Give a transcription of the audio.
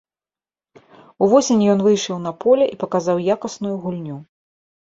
Увосень ён выйшаў на поле і паказаў якасную гульню.